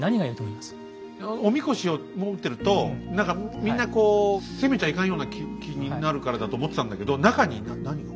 お神輿を持ってると何かみんなこう攻めちゃいかんような気になるからだと思ってたんだけど中に何が？